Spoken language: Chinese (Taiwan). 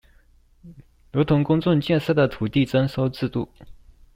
如同公眾建設的土地徵收制度